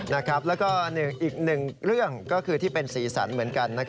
แล้วก็อีกหนึ่งเรื่องก็คือที่เป็นสีสันเหมือนกัน